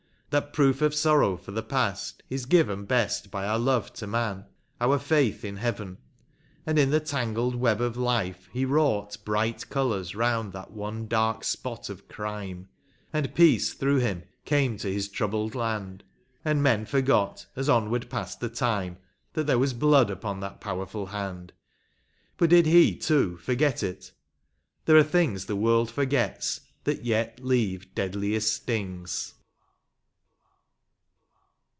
That proof of sorrow for the past is given Best by our love to man, our faith in Heaven : And in the tangled web of life he wrought Bright colours round that one dark spot of crime, And peace, through him, came to his troubled land, And men forgot, as onward passed the time, That there was blood upon that powerful hand ; But did he, too, forget it ?— there are things The world forgets that yet leave deadliest stings.